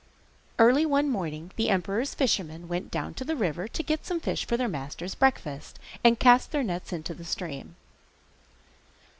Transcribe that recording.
Early one morning the emperor's fishermen went down to the river to get some fish for their master's breakfast, and cast their nets into the stream.